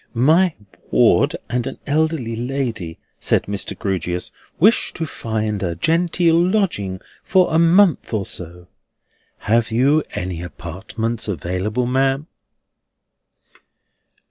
"My ward and an elderly lady," said Mr. Grewgious, "wish to find a genteel lodging for a month or so. Have you any apartments available, ma'am?"